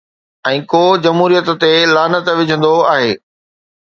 ۽ ڪو جمهوريت تي لعنت وجهندو آهي.